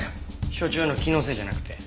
所長の気のせいじゃなくて？